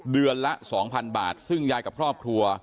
เดือนละ๒๐๐๐บาทซึ่งยายกับครอบครัว